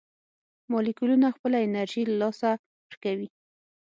مالیکولونه خپله انرژي له لاسه ورکوي.